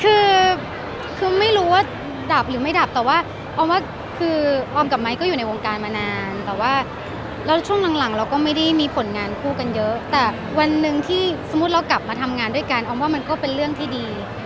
คือคือไม่รู้ว่าดับหรือไม่ดับแต่ว่าออมว่าคือออมกับไม้ก็อยู่ในวงการมานานแต่ว่าแล้วช่วงหลังเราก็ไม่ได้มีผลงานคู่กันเยอะแต่วันหนึ่งที่สมมุติเรากลับมาทำงานด้วยกันออมว่ามันก็เป็นเรื่องที่ดี